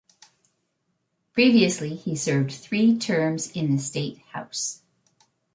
Previously, he served three terms in the state House.